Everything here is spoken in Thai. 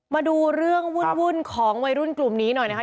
มาดูเรื่องวุ่นของวัยรุ่นกลุ่มนี้หน่อยนะครับ